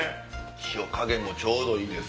塩加減もちょうどいいです。